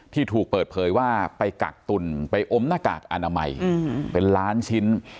ที่ถูกเปิดเผยว่าไปกักตุ่นไปอมหน้ากากอนามัยเป็นล้านชิ้น